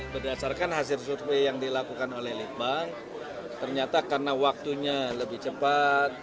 berdasarkan hasil survei yang dilakukan oleh litbang ternyata karena waktunya lebih cepat